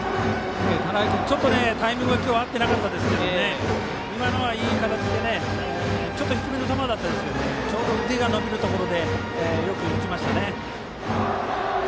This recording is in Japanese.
田内君、ちょっとタイミング今日は合ってなかったですが今のはいい形でちょっと低めの球でしたがちょうど腕が伸びるところでよく打ちましたね。